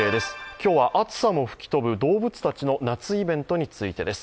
今日は暑さも吹き飛ぶ動物たちの夏イベントについてです。